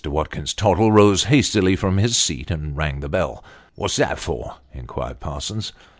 Watkins Tottle rose hastily from his seat, and rang the bell. " What's that for ?" inquired Parsons.